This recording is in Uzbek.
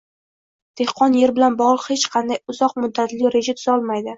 dehqon yer bilan bog‘liq hech qanday uzoq muddatli reja tuza olmaydi